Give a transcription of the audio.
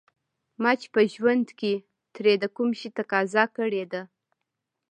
ما چې په ژوند کې ترې د کوم شي تقاضا کړې ده.